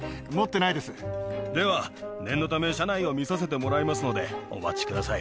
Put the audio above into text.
では、念のため、車内を見させてもらいますので、お待ちください。